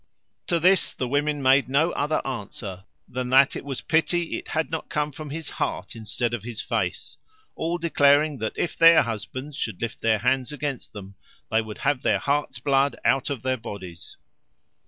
To this the women made no other answer, than that it was a pity it had not come from his heart, instead of his face; all declaring, that, if their husbands should lift their hands against them, they would have their hearts' bloods out of their bodies.